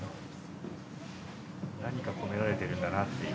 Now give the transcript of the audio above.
何か込められてるんだなっていう。